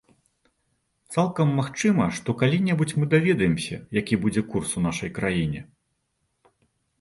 Цалкам магчыма, што калі-небудзь мы даведаемся, які будзе курс у нашай краіне.